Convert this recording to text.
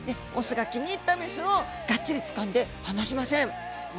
オスが気に入ったメスをがっちりつかんで離しません。